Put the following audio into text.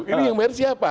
ini yang bayar siapa